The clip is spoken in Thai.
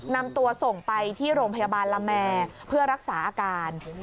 นำตัวส่งไปที่โรงพยาบาลละแม่เพื่อรักษาอาการ